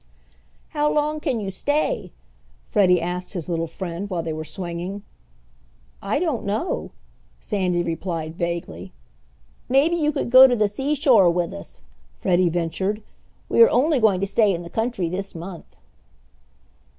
"How long can you stay?" Freddie asked his little friend, while they were swinging. "I don't know," Sandy replied vaguely. "Maybe you could go to the seashore with us," Freddie ventured. "We are only going to stay in the country this month."